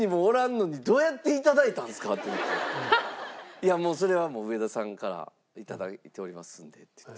「いやもうそれは上田さんからいただいておりますんで」って言って。